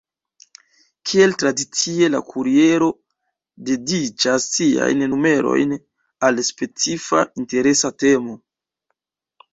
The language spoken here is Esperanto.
Kiel tradicie la Kuriero dediĉas siajn numerojn al specifa interesa temo.